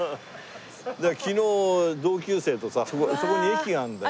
昨日同級生とさそこに駅があるんだよ。